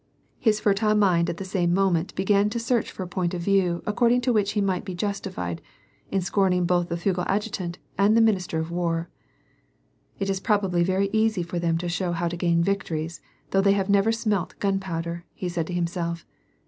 His fertile mind at the same moment began to search for a point of view according to which he might be jnstified in scoxning both the Fiigel adjutant and the minister of war. "It's probably very easy for them to show how to gain victories, though they have never smelt gunpowder," he said to himself.